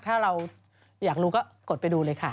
ถ้าเราอยากรู้ก็กดไปดูเลยค่ะ